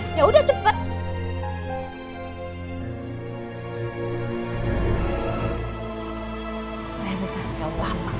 saya mau panjang lama